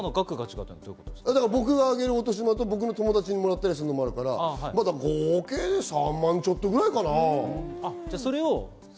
僕があげるお年玉と僕の友達にもらったりするのもあるから、合計３万ちょっとくらいかな。